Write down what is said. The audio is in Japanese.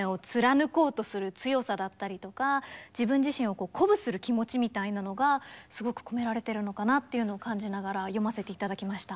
サン・サーンス自身のそのみたいなのがすごく込められてるのかなっていうのを感じながら読ませて頂きました。